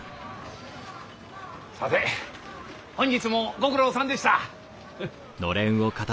さて本日もご苦労さんでした。